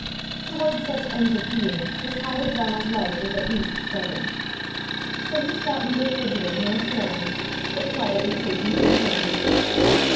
Toward such ends of being the tide of Donal's life was at least setting. So he sat neither fidgeting nor staring, but quietly taking things in.